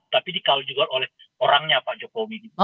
tapi dikawal juga oleh orangnya pak jokowi gitu